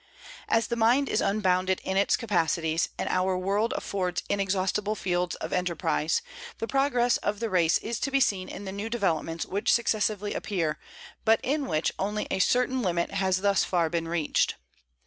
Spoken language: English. As the mind is unbounded in its capacities, and our world affords inexhaustible fields of enterprise, the progress of the race is to be seen in the new developments which successively appear, but in which only a certain limit has thus far been reached.